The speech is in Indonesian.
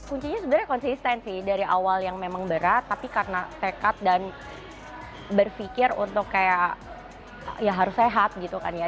kuncinya sebenarnya konsisten sih dari awal yang memang berat tapi karena tekad dan berpikir untuk kayak ya harus sehat gitu kan ya